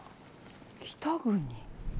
北国？